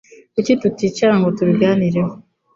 Kuki tuticara ngo tubiganireho?